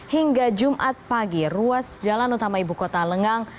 hingga jumat pagi ruas jalan utama ibu kota lengang